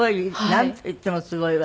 なんといってもすごいわね。